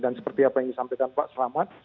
dan seperti apa yang disampaikan pak selamat